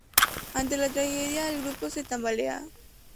Ante la tragedia el grupo se tambalea.